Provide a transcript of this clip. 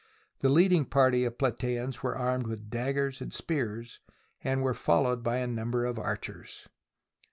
The leading party of Plataeans were armed with daggers and spears, and were followed by a number of archers.